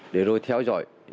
để rồi theo dõi